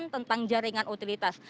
tentang jaringan utilitas